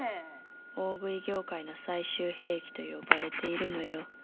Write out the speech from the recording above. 大食い業界の最終兵器と呼ばれているのよ。